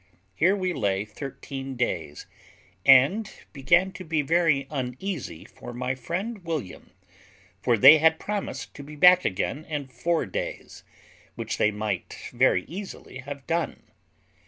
Here we lay thirteen days, and began to be very uneasy for my friend William, for they had promised to be back again in four days, which they might very easily have done.